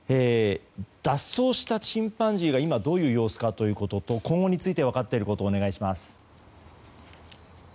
脱走したチンパンジーが今どういう様子かと今後について分かっていることをお願いします。